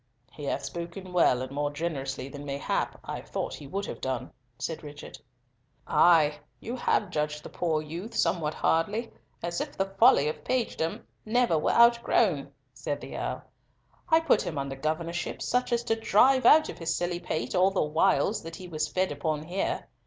"He hath spoken well and more generously than, mayhap, I thought he would have done," said Richard. "Ay; you have judged the poor youth somewhat hardly, as if the folly of pagedom never were outgrown," said the Earl. "I put him under governorship such as to drive out of his silly pate all the wiles that he was fed upon here.